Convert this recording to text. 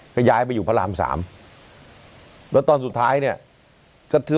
ก็ย้ายไปอยู่พระรามสามแล้วตอนสุดท้ายเนี่ยก็คือ